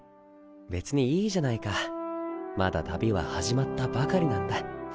別にいいじゃないかまだ旅は始まったばかりなんだ